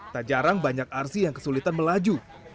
tak jarang banyak rc yang kesulitan melaju